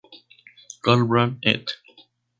Karl Brandt et.